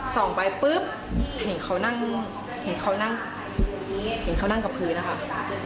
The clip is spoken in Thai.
ส่องไปปุ๊บเห็นเขานั่งกระพื้นนะคะ